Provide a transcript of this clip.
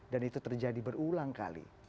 dan itu terjadi berulang kali